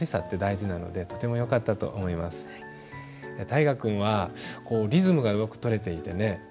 大河君はリズムがよくとれていてね